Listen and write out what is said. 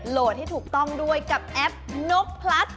โหลดให้ถูกต้องด้วยกับแอปนกพลัด